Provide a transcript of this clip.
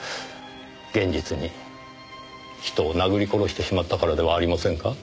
現実に人を殴り殺してしまったからではありませんか？